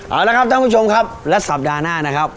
เอาละครับท่านผู้ชมครับและสัปดาห์หน้านะครับ